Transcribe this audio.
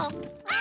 あ！